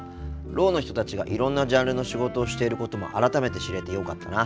ろうの人たちがいろんなジャンルの仕事をしていることも改めて知れてよかったな。